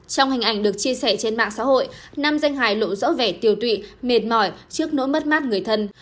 trong hình ảnh được chia sẻ trên mạng xã hội nam danh hài lộ rõ vẻ tều tụy mệt mỏi trước nỗi mất mát người thân